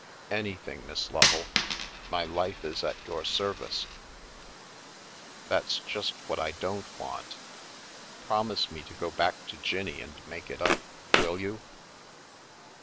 " Anything, Miss Lovel. My life is at your service," "That's just what I don't want! Promise me to go back to Jinnie and make it up. Will you